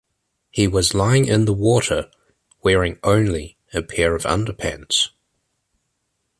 He was lying in water, wearing only a pair of underpants.